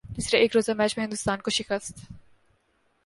تیسرے ایک روزہ میچ میں ہندوستان کو شکست